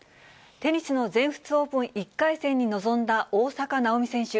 テニスの全仏オープン１回戦に臨んだ大坂なおみ選手。